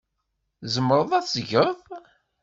Tzemreḍ ad t-tgeḍ?